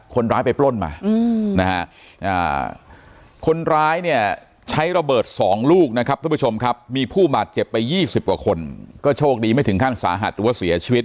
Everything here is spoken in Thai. คนร้ายไปปล้นนะคะคนร้ายใช้ระเบิด๒ลูกมีผู้หมาติเจ็บไป๒๐กว่าคนก็โชคดีไม่ถึงขั้นสาหัส